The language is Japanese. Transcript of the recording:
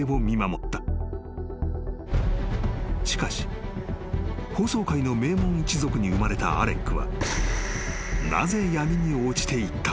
［しかし法曹界の名門一族に生まれたアレックは］